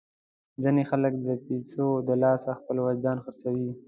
ځینې خلک د پیسو د لاسه خپل وجدان خرڅوي.